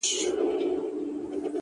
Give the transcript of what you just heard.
چي ته بېلېږې له مست سوره څخه ـ